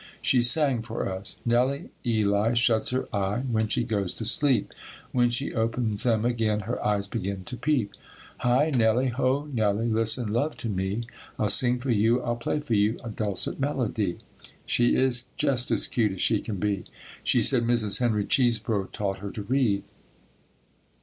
She sang for us, "Nellie Ely shuts her eye when she goes to sleep, When she opens them again her eyes begin to peep; Hi Nellie, Ho Nellie, listen love to me, I'll sing for you, I'll play for you, A dulcet melody." She is just as cute as she can be. She said Mrs. Henry Chesebro taught her to read.